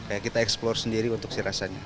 ya kita eksplor sendiri untuk si rasanya